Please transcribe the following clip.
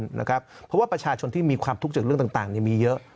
เพราะว่าประชาชนที่มีความทุกข์จากเรื่องต่างมีเยอะ